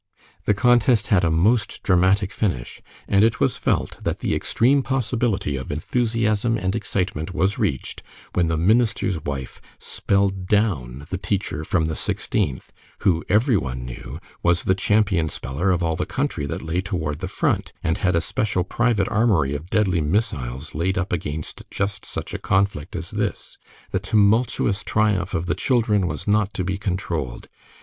The contest had a most dramatic finish, and it was felt that the extreme possibility of enthusiasm and excitement was reached when the minister's wife spelled down the teacher from the Sixteenth, who every one knew, was the champion speller of all the country that lay toward the Front, and had a special private armory of deadly missiles laid up against just such a conflict as this. The tumultuous triumph of the children was not to be controlled.